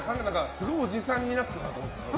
すごい、おじさんになったなと思って。